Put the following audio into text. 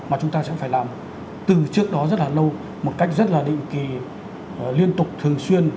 mà chúng ta sẽ phải làm từ trước đó rất là lâu một cách rất là định kỳ liên tục thường xuyên